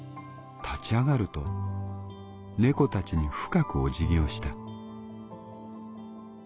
立ち上がると猫たちに深くおじぎをした。